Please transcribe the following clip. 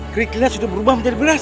kerikilnya sudah berubah menjadi beras